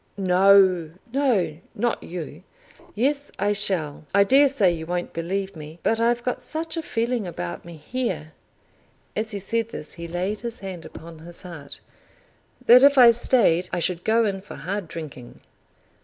"No; no, not you." "Yes, I shall. I dare say you won't believe me, but I've got such a feeling about me here" as he said this he laid his hand upon his heart, "that if I stayed I should go in for hard drinking.